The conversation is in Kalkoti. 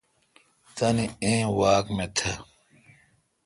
تان ای واک می تھ۔